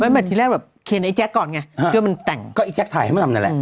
ไม่ทีแรกแบบเขียนไอ้แจ๊คก่อนไงเพื่อมันแต่งก็ไอ้แจ๊คไทยให้มันทำนั่นแหละ